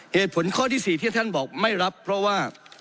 เหตุผลข้อที่๔ที่ท่านบอกไม่รับเพราะว่า